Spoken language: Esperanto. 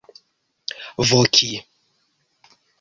voki